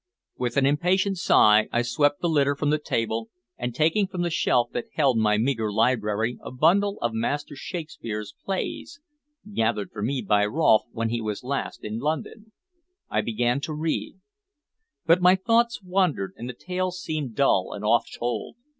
With an impatient sigh, I swept the litter from the table, and, taking from the shelf that held my meagre library a bundle of Master Shakespeare's plays (gathered for me by Rolfe when he was last in London), I began to read; but my thoughts wandered, and the tale seemed dull and oft told.